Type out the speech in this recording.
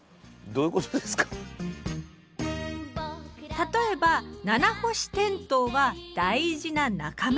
例えばナナホシテントウは大事な仲間。